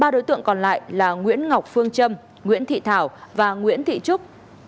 ba đối tượng còn lại là nguyễn ngọc phương trâm nguyễn thị thảo và nguyễn thị trúc